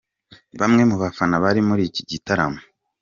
Bamwe mu bafana bari muri iki gitaramo.